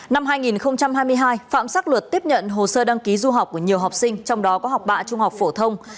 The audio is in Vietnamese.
năm hai nghìn hai mươi hai phạm sắc luật tiếp nhận hồ sơ đăng ký du học của nhiều học sinh trong đó có học bạ trung học phổ thông